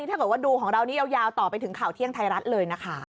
ถ้าเกิดว่าดูของเรานี่ยาวต่อไปถึงข่าวเที่ยงไทยรัฐเลยนะคะ